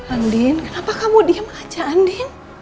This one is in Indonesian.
andin kenapa kamu diem aja andin